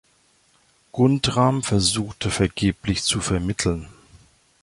Guntram versuchte vergeblich zu vermitteln.